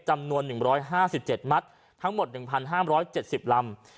จำนวน๑๕๗มัตต์ทั้งหมด๑๕๗๐ลำ